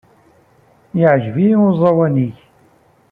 Yeɛjeb-iyi uẓawan-nnek.